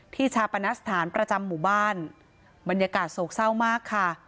ชาปนสถานประจำหมู่บ้านบรรยากาศโศกเศร้ามากค่ะ